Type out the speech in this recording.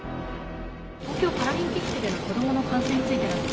パラリンピックでの子どもの観戦については？